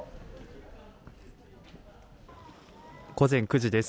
午前９時です。